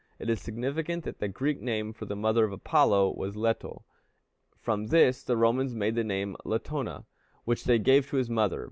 It is significant that the Greek name for the mother of Apollo was Leto. From this the Romans made the name Latona, which they gave to his mother.